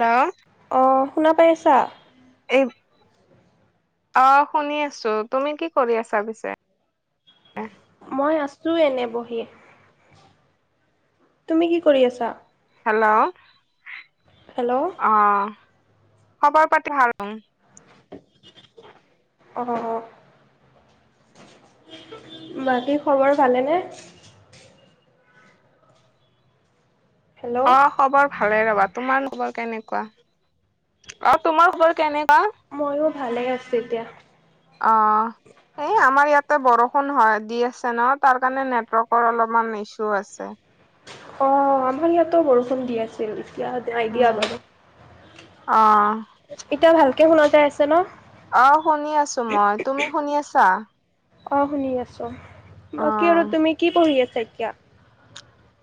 Hello অঁ শুনা পাই আছা? এই অ শুনি আছো তুমি কি কৰি আছা পিছে? মই আছো এনে বহি। তুমি কি কৰি আছা? হেল্ল'! হেল্ল'! অঁ খবৰ পাতি ভাল উম। অঁ বাকী খবৰ ভালেনে? হেল্ল' অঁ খবৰ ভালে ৰবা। তোমাৰ খবৰ কেনেকুৱা? অ তোমাৰ খবৰ কেনেকুৱা? মইয়ো ভালে আছো এতিয়া। অঁ। এই আমাৰ ইয়াতে বৰষুণ হয় দি আছে ন তাৰ কাৰণে নেটৱৰ্কৰ অলপমান ইছু আছে। অ আমাৰ ইয়াতো বৰষুণ দি আছিল, এটিয়া নাই দিয়া বাৰু। অঁ। এতিয়া ভালকে শুনা পায় আছে ন? অঁ শুনি আছোঁ মই। তুমি শুনি আছা? অঁ শুনি আছোঁ অ বাকি আৰু তুমি কি পঢ়ি আছা এতিয়া?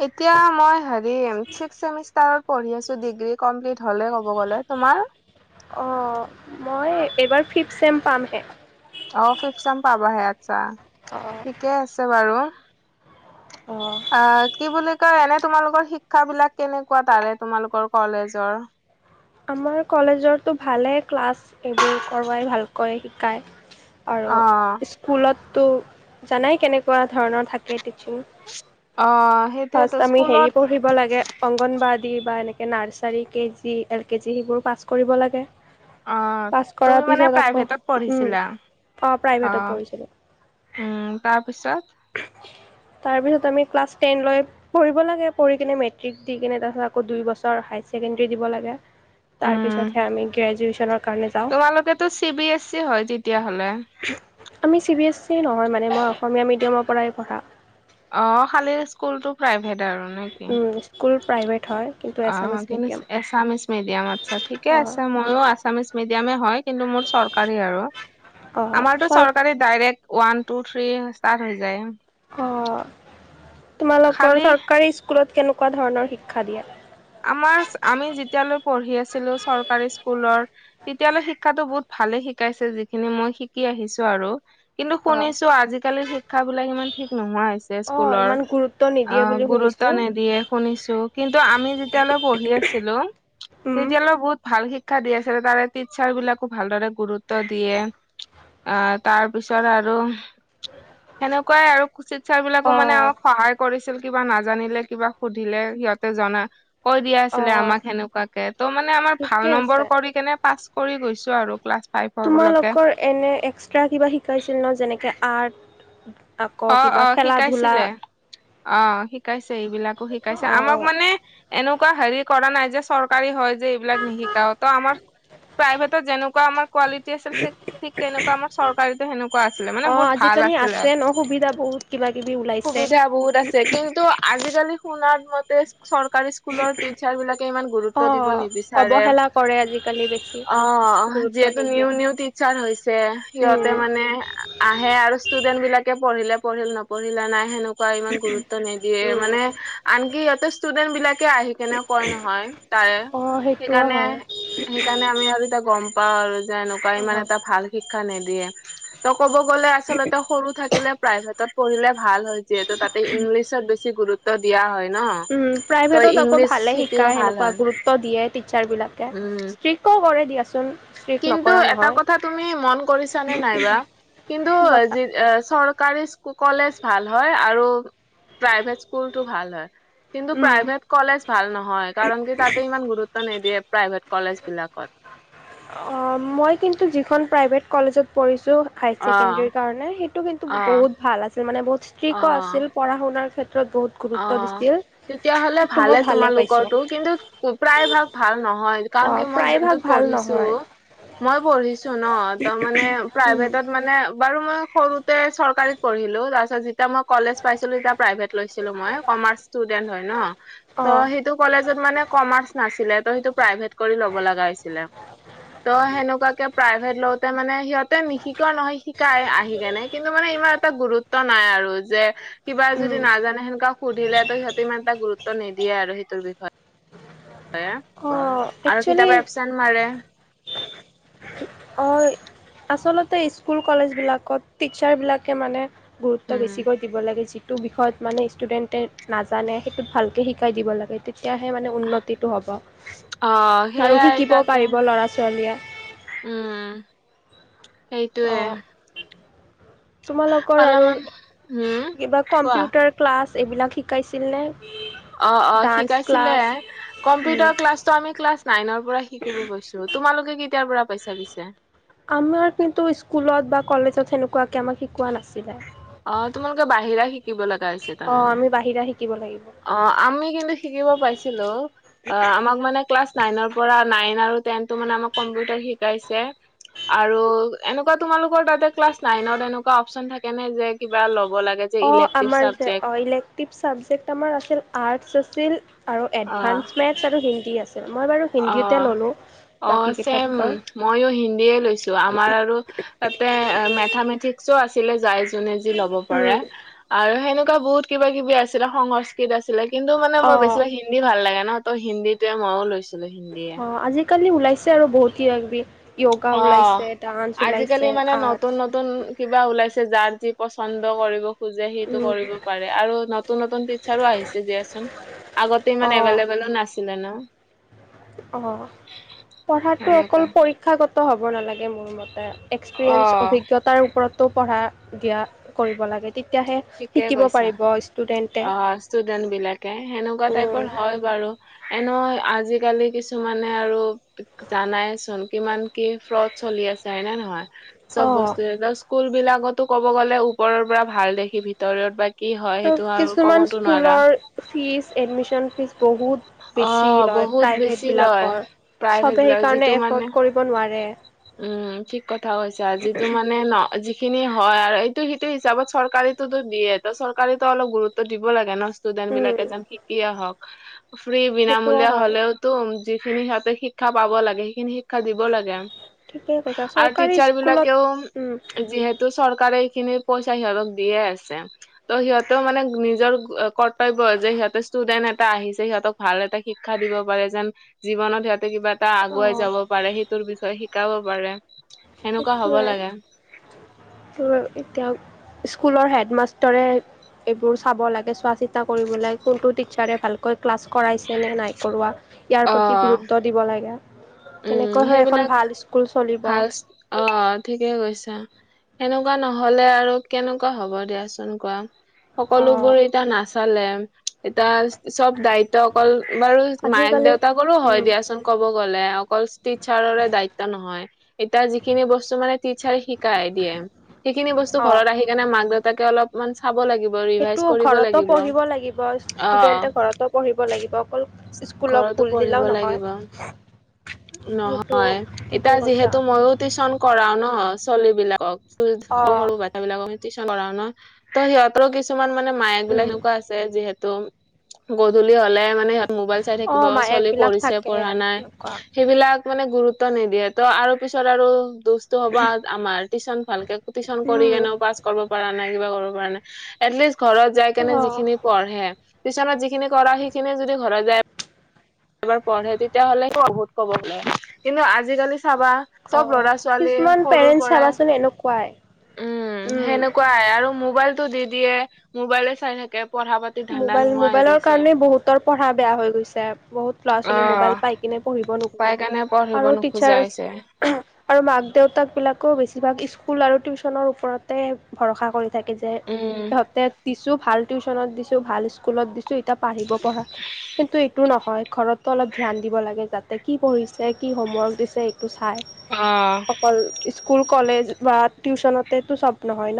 এতিয়া মই হেৰি ছিক্সত ছেমিষ্টাৰত পঢ়ি আছোঁ ডিগ্ৰী কমপ্লিট হলে কব গলে। তোমাৰ? অঁ মই এইবাৰ ফিফ্ট চেম পামহে। অ ফিফ্ট চেম পাবাহে আচ্ছা। অঁ। ঠিকে আছে বাৰু। অ। অ কি বুলি কয় এনে তোমালোকৰ শিক্ষা বিলাক কেনেকুৱা তাৰে তোমালোকৰ কলেজৰ? আমাৰ কলেজৰটো ভালেই ক্লাছ এইবোৰ কৰোৱাই ভালকৈ শিকায়। আৰু অ স্কুলততো জানাই কেনেকুৱা ধৰণৰ থাকে টিচিং। অঁ ফাৰ্ষ্ট সেইটোৱেটো আমি হেৰি স্কুলত পঢ়িব লাগে অংগনবাড়ী বা এনেকে nursery, KG, L K G সেইবোৰ পাছ কৰিব লাগে। অ পাছ তুমি কৰাৰ মানে পিছত আকৌ প্ৰাইভেটত উম পঢ়িছিলা অ প্ৰাইভেটত পঢ়িছিলোঁ। উম তাৰপিছত? তাৰ পিছত আমি ক্লাছ টেন লৈ পঢ়িব লাগে পঢ়ি কিনে মেট্ৰিক দি কেনে তাৰপিছত আকৌ দুই বছৰ হাই ছেকেণ্ডৰী দিব লাগে। তাৰ উম পিছতহে আমি গ্ৰেজুৱেচনত তোমালোকেতো চি বি এছ চি হয় তেতিয়া হ'লে? আমি চি বি এচ চি নহয় মানে মই অসমীয়া মিডিয়ামৰ পৰাই পঢ়া। অ খালি স্কুলটো প্ৰাইভেট আৰু নে? কি উম স্কুল প্ৰাইভেট হয়। কিন্তু অ এছামিছ কিন্তু মিডিয়াম আছামিছ মিডিয়ামত আছে ঠিকে অঁ আছে ম মইয়ো আছামিছ মেদিয়াম এ হয় কিন্তু মোৰ চৰকাৰী আৰু। অ', আমাৰ তো চৰ চৰকাৰে direct one two three start হৈ যায়। অঁ তোমালোকৰ খালি চৰকাৰী স্কুলত কেনেকুৱা ধৰণৰ শিক্ষা দিয়ে? আমাৰ আমি যেতিয়ালৈ পঢ়ি আছিলো চৰকাৰী স্কুলৰ তেতিয়ালৈ শিক্ষাটো বহুত ভালে শিকাইছে যিখিনি মই শিকি আহিছোঁ আৰু কিন্তু অ'। শুনিছোঁ আজিকালিৰ শিক্ষাবিলাক ইমান ঠিক নোহোৱা হৈছে অ', ইমান স্কুলৰ। গুৰুত্ব নিদিয়ে আহ বুলি গুৰুত্ব শুনিছোঁ। নিদিয়ে শুনিছোঁ কিন্তু আমি যেতিয়ালৈ পঢ়ি আছিলো উম। তেতিয়ালৈ বহুত ভাল শিক্ষা দি আছিলে তাৰে টিচাৰ বিলাকো ভালদৰে গুৰুত্ব দিয়ে। অ তাৰ পিছত আৰু সেনেকুৱাই আৰু [unintelligible] ছাৰ বিলাকো মানে অ', আমাক সহায় কৰিছিল কিবা নাজানিলে কিবা সুধিলে সিহঁতে জনা কৈ দিয়া আছিলে অ', আমাক সেনেকোৱাকে ত' মানে আমাৰ ভাল ঠিকে নম্বৰ আছে। কৰি কেনে পাছ কৰি গৈছো আৰু ক্লাছ ফাইভ। তোমালোকৰ এনে এক্সট্ৰা কিবা শিকাইছিল ন যেনেকে আৰ্ট আকৌ অ অ কিবা খেলা-ধূলা শিকাইছিলে অ শিকাইছে এইবিলাকো শিকাইছে আমাক অ'। মানে এনেকোৱা হেৰি কৰা নাই যে চৰকাৰী হয় যে এইবিলাক নিশিকাও ত আমাৰ প্ৰাইভেটত যেনেকোৱা আমাৰ কোৱালি টি আছিল ঠিক তেনেকোৱা আমাৰ চৰকাৰীতো সেনেকোৱা আছিলে মানে অ', বহুত ভাল আজিকালি আছিলে। আছে ন' সুবিধা বহুত। কিবা কিবি ওলাই সুবিধা বহুত আছে কিন্তু আজিকালি শুনাত মতে চৰকাৰী স্কুলৰ টিচাৰ বিলাকে ইমান গুৰুত্ব দিব অ', নিবিচাৰে অৱহেলা কৰে আজিকালি বেছি অ গুৰুত্ব যিহেতু নিউ নিদিয়ে। নিউ টিচাৰ হৈছে সিহঁতে উম, মানে আহে আৰু ষ্টুডেন্ট বিলাকে পঢ়িলে পঢ়িল নপঢ়িলে নাই সেনেকোৱা ইমান গুৰুত্ব নিদিয়ে উম, মানে আনকি ইহতে ষ্টুডেন্ট বিলাকে আহি কেনে কয় নহয় তাৰে অ', সেইটোও সেইকাৰণে হয়। সেইকাৰণে আমি আৰু এতিয়া গম পাও আৰু এনেকোৱা ইমান অ'। এটা ভাল শিক্ষা নিদিয়ে ত ক'ব গ'লে আচলতে সৰু থা কিলে প্ৰাইভেটত পঢ়িলে ভাল হয় যিহেতু তাতে ইংলিছত বেছি গুৰুত্ব দিয়া হয় ন উম প্ৰাইভেটত আকৌ ভালে শিকায় সেনেকোৱা গুৰুত্ব দিয়ে। টিচাৰবিলাকে উম ষ্ট্ৰিকো কৰে দিয়া চোন কিন্তু এটা কথা তুমি মন কৰিছানে নাই বা কিন্তু কি কথা যি এ চৰকাৰী কলেজ ভাল হয় আৰু প্ৰাইভেট স্কুলটো ভাল হয় কিন্তু উম। প্ৰাইভেট কলেজ ভাল নহয় কাৰণ কি তাতে ইমান গুৰুত্ব নিদিয়ে প্ৰাইভেট কলেজ বিলাকত অ মই কিন্তু যিখন প্ৰাইভেট কলেজত পঢ়িছো হায়াৰ ছেকেণ্ডেৰীৰ অ', কাৰণে সেইটো কিন্তু অ', বহুত ভাল আছিল মানে বহুত ষ্ট্ৰিকো অ', আছিল পঢ়া শুনাৰ ক্ষেত্ৰত ত বহুত অ গুৰুত্ব দিছিল। তেতিয়াহলে সেইটো মই ভালে পাইছোঁ তোমালোকৰতো কিন্তু প্ৰায় ভাগ ভাল নহয় কাৰণ অ', কি মই প্ৰায়ভাগ যোনটোত ভাল পঢ়িছো নহয় মই পঢ়িছো ন তাৰ মানে উম, প্ৰাইভেটত মানে বাৰু মই সৰুতে চৰকাৰীত পঢ়িলো তাৰ পিছত যেতিয়া মই কলেজ পাইছিলো তেতিয়া প্ৰাইভেট লৈছিলো। মই কমাৰ্চ ষ্টুডেণ্ট হয় ন ত অ', সেইটো কলেজত মানে কমাৰ্চ নাছিল তেহেঁত সেইটো প্ৰাইভেট কৰি ল'ব লগা হৈছিলে ত সেনেকোৱাকে প্ৰাইভেট কৰি লওতে মানে সিহঁ তে নিশিকোৱা নহয় শিকাই আহি কেনে কিন্তু মানে ইমান এটা গুৰুত্ব নাই আৰু যে কিবা যদি উম। নাজানে সেনেকোৱা সুধিলেতো সিহঁতে ইমান এটা গুৰুত্ব নিদিয়ে আৰু সেইটোৰ বিষয়ে তে অ', আৰু কেতিয়াবা একচুৱেলি এবচেণ্ট মাৰে অ আচলতে স্কুল কলেজ বিলাকত টিচাৰ বিলাকে মানে গুৰুত্ব উম বেছিকৈ দিব লাগে টো বিষয়ত মানে ষ্টুডেণ্টে নাজানে সেইটো ভালকে শিকাই দিব লাগে তে তেতিয়াহে মানে উন্নতিটো হব অ আৰু সেইয়াই শিকিব তাকে পাৰিব ল'ৰা ছোৱালীয়ে উম সেইটোৱে অ', তোমালোকৰ আৰু হম কিবা কোৱা কম্পিউটাৰ ক্লাছ এইবিলাক শিকাইছিলনে অ অ ডান্স শিকাইছিলে ক্লাছ উম, কম্পিউটাৰত ক্লাছটো আমি ক্লাছ নাইনৰ পৰা শিকিব গৈছো তোমালোকে কেতিয়াৰ পৰা পাইছা পিছে আমাৰ কিন্তু স্কুলত বা কলেজত সেনেকুৱাকে আমাক শিকোৱা নাছিলে অ তোমালোকে বাহিৰা শিকিব লগা হৈছে অ', তাৰমানে আমি বাহিৰা শিকিব লাগিব অ আমি কিন্তু শিকিব পাইছিলো অ আমাক মানে ক্লাছ নাইনৰ পৰা, নাইন আৰু টেন টো মানে আমাক কম্পিউটাৰ শিকিইছে আৰু এনেকুৱা তোমালোকৰ তাতে ক্লাছ নাইনত এনেকুৱা অপশচন থাকে নে যে কিবা ল'ব লাগে যে অ ইলেক্টিভ আমাৰ যে চাবজেক্ট অ ইলেক টিপ চাবজেক্ট আমাৰ আছিল আৰ্টছ আছিল আৰু অ এডভান্স মেথছ আৰু হিন্দী আছ অ অ চেম বাকীকেইটাতকৈ ময়ো হিন্দীয়ে লৈছো আমাৰ আৰু তাতে মেথামেটিক্সো আছিলে যাই যোনে যি ল'ব পাৰা আৰু সেনেকুৱা বহুত কিব কিবি আছিলে সংস্কৃত আছিলে কিন্তু মানে মই অঁ বেছিভাগ হিন হিন্দী ভাল লাগে ন ত হিন্দীটোয়ে ময়ো লৈ ছিলে হিন্দী অ আজিকালি ওলাইছে আৰু বহুত কিবাকিবি য়োগা অ ওলাইছে ডান্স আজিকালি ওলাইছে মানে নতুন আৰ্টছ নতুন কিবা ওলাইছে যাৰ যি পচন্দ কৰিব। খোজে সেইটো কৰিব পাৰে আৰু নতুন নতুন টিচাৰো আহিছে দিয়াচোন আগতে ইমান অঁ এভেলেব বোলো নাছিলে ন। অ' পঢ়াটো অকল সেনেকুৱা পৰীক্ষাগত হব নালাগ মোৰ মতে অ এক্সপিৰিয়েন্ঞ্চ অভিজ্ঞতাৰ ওপৰতো পঢ়া দিয়া কৰিব লাগে। তেতিয়াহে। ঠিকেই শিকিব কৈছা, পাৰিব ষ্টুডেণ্টে অ' ষ্টুডেন্ট বিলাকে সেনেকুৱা টাইপৰ হয়, বাৰু, এনেও আজিকালি কিছুমানে আৰু জানাইচোন কিমান কি ফ্ৰড চলি আছে হয় নে নহয়। চব অঁ বস্তু স্কুল বিলাকতো ক'ব গ'লে ওপৰৰ পৰা ভাল দেখি ভিতৰত বা, কি হয় সেইটো আৰু কিছুমান ক'বতো নোৱাৰা। স্কুলৰ ফিজ, এডমিশ্যন ফিজ বহুত। অ বেছি লয় বহুত বেছি লয় প্ৰাইভেটবিলাকৰ প্ৰাইভেট চবে বিলাক সেইকাৰণে যিটো মানে এফৰ্ড কৰিব নোৱাৰে। উম' ঠিক কথা কৈছা আজিটো মানে ন যি খিনি হয় আৰু এইটো সেইটো হিচাপত চৰকাৰটোতো দিয়ে ত চৰকাৰো অলপ গুৰুত্ব দিব লাগে ন। ষ্টুডেন্ট উম, বিলাকে যেন শিকি আহক। ফ্ৰী সেইটোও বিনামূলীয়া হয়। হ'লেও, তুম যিখিনি সিহঁতে শিক্ষা পাব লাগে সেইখিনি শিক্ষা দিব লাগে। ঠিকেই কৈছা আৰু চৰকাৰী টিচাৰ স্কুলত বিলাকেও উম, যিহেত চৰকাৰে এইখিনি পইচা সিহঁতক দিয়ে আছে। ত' সিহঁতেও মানে নিজৰ কৰ্ত কৰ্তব্য যে সিহঁতে ষ্টুডেন্ট এটা আহিছে সিহঁতক ভাল এটা শিক্ষা দিব পাৰে যেন জীৱনত সিহঁতে কিবা এটা আগুৱাই অ', যাব পাৰে সেইটোৰ বিষয়ে শিকাব পাৰে। সেনেকুৱা হ'ব সেইটোৱে [unintelligible] এতিয়া স্কুলৰ হেডমাষ্টৰে। এইবোৰ চাব লাগে, চোৱা চিতা কৰিব লাগে কোনটো টিচাৰে ভালকৈ ক্লাছ কৰাইছেনে নাই কৰোৱা, ইয়াৰ প্ৰতি অ', গুৰুত্ব দিব লাগে। উম, তেনেকৈ হৈ এখন সেইবিলাক ভাল স্কুল চলিব। ভাল অ' ঠিকে কৈছা। সেনেকুৱা নহলে আৰু কেনেকুৱা হ'ব দিয়াচোন কোৱা, সকলোবোৰ অ', এতিয়া নাচালে এতিয়া চব দায়িত্ব অকল বাৰু, মায়েক আজিকালি দেউতাকৰো হয় উম। দিয়াচোন ক'ব গ'লে অকল, টিচাৰৰে দায়িত্ব নহয়। এতিয়া যিখিনি বস্তু মানে টিচাৰৰে শিকাই দিয়ে। সেইখিনি বস্তু অ', ঘৰত আহি কেনে মাক দেউতাকে অলপ, অকন মান চাব লাগিব। আৰু, সেইটো ঘৰতো পঢ়িব লাগিব। অ ষ্টুডেন্টে ঘৰতো পঢ়িব লাগিব অকল, স্কুলক ঘৰতো ভুল পঢ়িব দিলেও নহয় লাগিব। সেইটো নহয়, এতিয়া ঠিকেই কৈছা যিহেতু ময়ো, টিউশচন কৰাও ন, ছোৱালী বিলাকক সৰু অ', বা বাচ্ছা, বিলাক কৰাও ন, ত' সিহঁতৰো কিছুমানানে মায়েক বিলাক উম, সেনেকুৱা আছে,। যিহেতু গধূলি হলে মানে সিহঁতৰ, মোবাইল চাই থাকিব অ', চলি মায়েকবিলাক পঢ়িছে থাকে পঢ়া নাই। এনেকুৱা সেইবিলাক মানে গুৰুত্ব নিদিয়ে। ত' আৰু পিছত আৰু, হ'বা আমাৰ টিশচন ভালকে টিউশন কৰি উম, এনেকুৱা পাছ পৰা নাই কিবা কৰিব পৰা এটৰলিষ্ট ঘৰত যাই কেনে অ', যিখিনি, পঢ়ে টিচনত যিখিনি কৰা সেইখিনিে যদি ঘৰত যায়। এবাৰ পঢ়ে তেতিয়া হ'লে ত বহুত কব লাগে কিন্তু আজি কালি চাবা। চব অ', ল'ৰা ছোৱালী কিছুমান সৰুৰ পেৰেণ্টছ পৰাই, চাবাচোন এনেকুৱাই উম' সেনেকুৱাই আৰু মোবাইলতটো দি দিয়ে। মোবাইলে চাই থাকে পঢ়া পাতি, ধান্দা মোবাইল, নোহোৱা হৈ মোবাইলৰ গৈছে। কাৰণে বহুতৰ পঢ়া বেয়া হৈ গৈছে। বহুত ল'ৰা অ ছোৱালী মোবাইল পাই কিনে পঢ়িব পাই নোখোজে। কাৰণে পঢ়িব আৰু নোখোজা টিচাৰ, হৈছে আৰু মাক দেউতাক বিলাকও বেছিভাগ স্কুল আৰু টিউশ্যনৰ ওপৰত ভৰসা কৰি থাকে যে উম সিহঁতে দিছো ভাল টিউশ্যনত দিছো ভাল স্কুলত দিছো। এতিয়া পঢ়িব পৰাঢ়া কিন্তু এইটো নহয় ঘৰত অলপ ধ্যান দিব লাগে যাতে কি পঢ়িছে কি হোমৱৰ্ক দিছে এইটো চাই অ অকল স্কুল কলেজ বা টিউশ্যনত চব নহয় ন।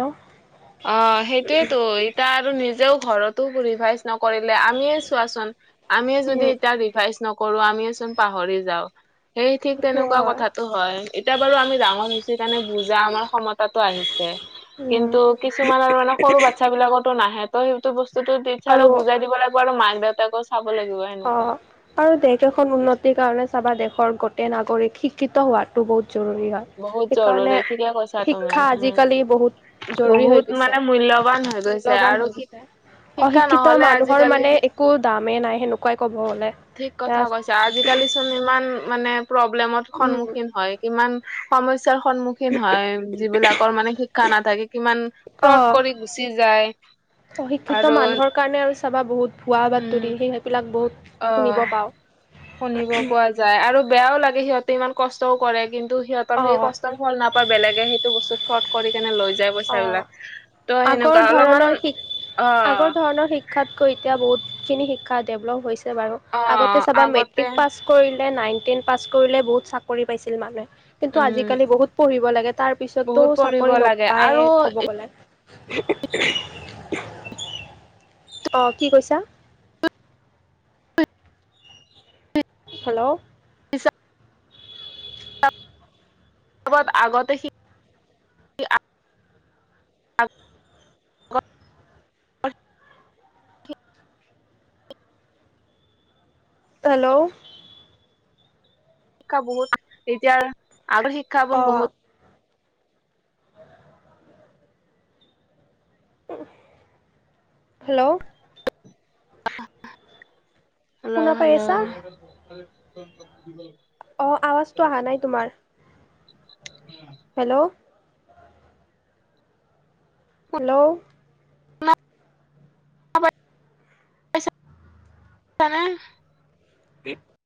অ সেইটোয়েতো এতিয়া আৰু নিজেও ঘৰতো ৰিভাজ নকৰিলে আমি চোৱান আমি যদি উম এতিয়া ৰিভাজ কৰো আমিয়ো চোন পাহৰি যাওঁ সেই ঠিক সেইটো তেনেকুৱা হয় কথাতো হয় এতিয়া বাৰু আমি ডাঙৰ হৈছো সেই কাৰণে বুজা আমাৰ ক্ষতাতো আহিছে। উম কিন্তু কিছুমান আৰু মানে সৰু বাচ্ছা বিলাকতো নাহে তো সেইটো বস্তুতটো টচাৰ আৰু বুজাই দিব লাগে। তোমাৰো মাক, দেউতাক, অঁ আৰু দেশ এখন উন্নতিৰ কাৰণে চাবা দেশৰ গোটেই নাগৰিক শিক্ষিত হোৱাাতটো বহুত জৰুৰী হয়। বহুত জৰুৰী সেইকাৰণে ঠিকে কৈছা তুমি শিক্ষা উম আজিকালি বহুত জৰুৰী হৈ বহুত গৈছে। মানে মূল্যবান হৈ গৈছে ম্লৱান আৰু হৈ শি গৈছে শিক্ষা অশিক্ষিত নহলে মানুহৰ আজিকালি মানে একো দামেই নাই সেনেকুৱা। ক'ব গ'লে ঠিক তা কথা কৈছা আজিকালি ইমান মানে প্ৰব্লেমত উম, সন্মুখীন হয় কিমান সমশ্য সন্মুখীন সহয় যিবিলাকৰ মানে শিক্ষা নাথাকে কিমান ফ্ৰড অ'। কৰি গুচি যায়। অশিক্ষিত আৰু মানুহৰ কাৰণে আৰু চাবা বহুত ভুৱা উম বাতৰি সেই সেইবিলাক বহুত অ শুনিব পাওঁ। শুনিব পোৱা যায়। যায় আৰু বেয়াও লাগে সিহঁতে ইমান কষ্টও কৰে কিন্তু সিহঁতৰ সেই অ', কষ্ট ফল নাপায় বেলেগে সেইটো বস্তু ফট কৰি কেনে লৈ যায় পইচা অ', বিলাক ত' আগৰ সেনেকুৱা অলপমান ধৰণৰ শিক আগৰ অ- ধৰণৰ শিক্ষাতকৈ এতিয়া বহুতখিনি শিক্ষা ডেভলপ হৈছে বাৰু অ আগতে চাবা আগতে মেট্ৰিক পাছ। কৰিলে নাইন টেন পাছ কৰিলে বহুত চাকৰি পাইছিল মানুহে কিন্তু উম আজিকালি বহুত পঢ়িব লাগে তাৰ পিছততো বহুত পঢ়িব চাকৰি লাগে নপায়ে আৰু ক'ব গ- লে অ কি কৈছা হেল্ল' কিছ আগত আগতে সি হেল্ল' শিক্ষা বহুত এতিয়া আৰু শিক্ষা [unintelligible] অ' বহুত হেল্ল' শুনা হেল্ল' পাই হেল্ল' আছা? অ আৱাজটো অহা নাই তোমাৰ হেল্ল' হেল্ল' পাইছা ছানে [unintelligible]